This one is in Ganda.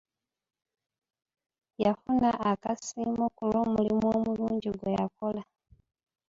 Yafuna akasiimo ku lw'omulimu omulungi gwe yakola.